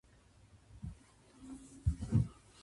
国語を学ぶ。